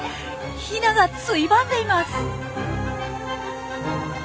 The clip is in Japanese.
ヒナがついばんでいます。